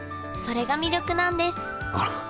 それが魅力なんですあら！